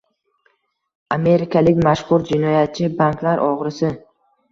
amerikalik mashxur jinoyatchi, banklar o‘g‘risi